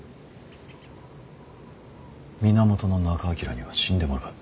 源仲章には死んでもらう。